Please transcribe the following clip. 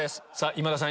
今田さん